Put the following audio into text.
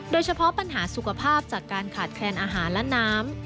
โดยเฉพาะปัญหาสุขภาพจากการขาดแคลนอาหารและน้ำ